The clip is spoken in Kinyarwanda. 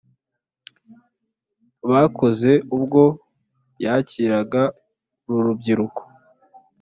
Bakoze ubwo yakiraga uru rubyiruko